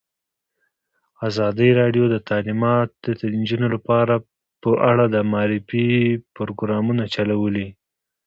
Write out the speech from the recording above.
ازادي راډیو د تعلیمات د نجونو لپاره په اړه د معارفې پروګرامونه چلولي.